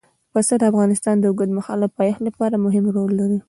پسه د افغانستان د اوږدمهاله پایښت لپاره مهم رول لري.